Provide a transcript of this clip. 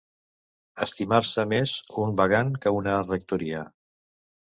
Estimar-se més un vagant que una rectoria.